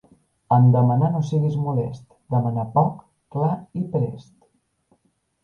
En demanar no siguis molest; demana poc, clar i prest.